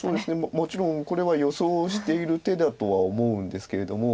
もちろんこれは予想している手だとは思うんですけれども。